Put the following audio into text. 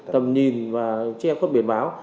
tầm nhìn và che khuất biển báo